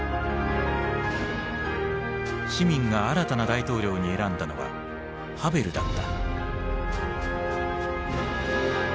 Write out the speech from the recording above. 市民が新たな大統領に選んだのはハヴェルだった。